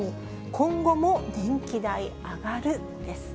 今後も電気代上がる？です。